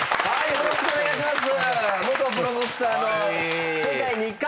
よろしくお願いします。